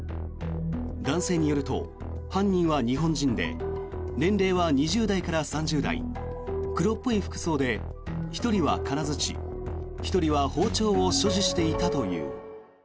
男性によると犯人は日本人で年齢は２０代から３０代黒っぽい服装で１人は金づち１人は包丁を所持していたという。